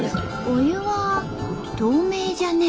お湯は透明じゃね！